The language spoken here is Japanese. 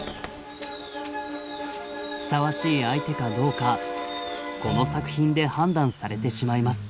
ふさわしい相手かどうかこの作品で判断されてしまいます。